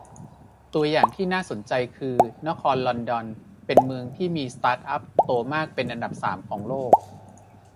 ตัวอย่างที่น่าสนใจคือนครลอนดอน เป็นเมืองที่มีสตาร์ทอัพโตมากเป็นอันดับ สาม ของโลก